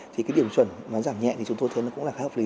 thì cái điểm chuẩn mà giảm nhẹ thì chúng tôi thấy nó cũng là khá hợp lý